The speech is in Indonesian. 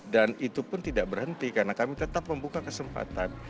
dan itu pun tidak berhenti karena kami tetap membuka kesempatan